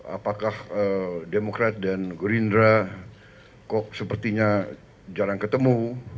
apakah demokrat dan gerindra kok sepertinya jarang ketemu